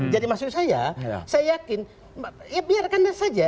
jadi maksud saya saya yakin ya biarkan saja